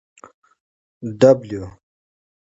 W